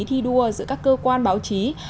thi đua giữa các cơ quan báo chí